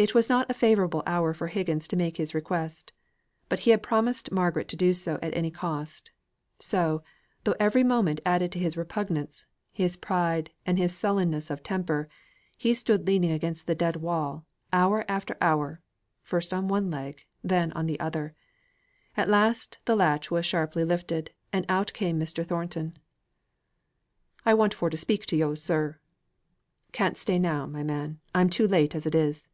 It was not a favourable hour for Higgins to make his request. But he had promised Margaret to do it at any cost. So, though every moment added to his repugnance, his pride, and his sullenness of temper, he stood leaning against the dead wall, hour after hour, first on one leg, then on the other. At last the latch was sharply lifted, and out came Mr. Thornton. "I want for to speak to yo', sir." "Can't stay now, my man. I'm too late as it is."